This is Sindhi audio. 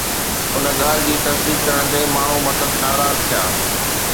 ان ڳالهه جي تصديق ڪرڻ تي ماڻهو مٿس ناراض ٿيا